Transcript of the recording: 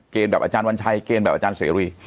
แบบอาจารย์วัญชัยเกณฑ์แบบอาจารย์เสรี